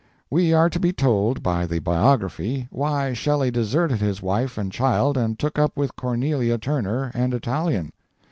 We are to be told by the biography why Shelley deserted his wife and child and took up with Cornelia Turner and Italian.